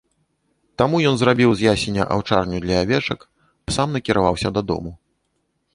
Таму ён зрабіў з ясеня аўчарню для авечак, а сам накіраваўся дадому.